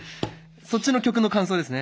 そっちの曲の感想ですね。